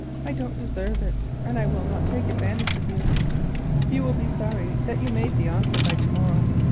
"I don't deserve it, and I will not take advantage of you. You will be sorry that you made the offer by to morrow.